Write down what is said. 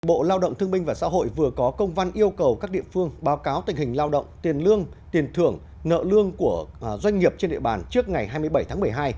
bộ lao động thương minh và xã hội vừa có công văn yêu cầu các địa phương báo cáo tình hình lao động tiền lương tiền thưởng nợ lương của doanh nghiệp trên địa bàn trước ngày hai mươi bảy tháng một mươi hai